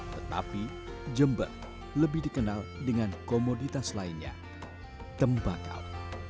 tetapi jember lebih dikenal dengan komoditas lainnya tembakau